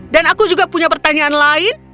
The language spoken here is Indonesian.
dan aku juga punya pertanyaan lain